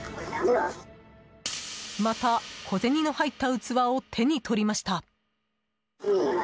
また小銭の入った器を手に取りました。